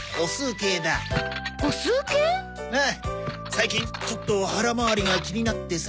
最近ちょっと腹回りが気になってさ。